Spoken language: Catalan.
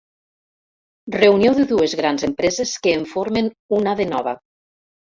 Reunió de dues grans empreses que en formen una de nova.